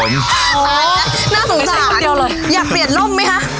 น่าสงสารไม่ใช่คนเดียวเลยอยากเปลี่ยนร่มมั้ยคะ